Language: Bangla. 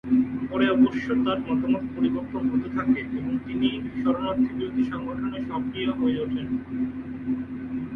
পরে অবশ্য তার মতামত পরিবর্তন হতে থাকে এবং তিনি শরণার্থী বিরোধী সংগঠনে সক্রিয় হয়ে ওঠেন।